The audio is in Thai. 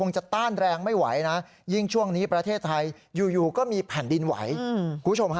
จะต้านแรงไม่ไหวนะยิ่งช่วงนี้ประเทศไทยอยู่ก็มีแผ่นดินไหวคุณผู้ชมฮะ